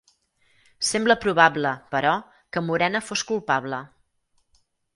Sembla probable, però, que Murena fos culpable.